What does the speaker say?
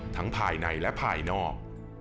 ทั้งภายในและภายนอก